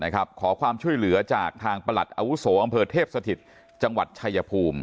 ขอความช่วยเหลือจากทางประหลัดอาวุโสอำเภอเทพสถิตจังหวัดชายภูมิ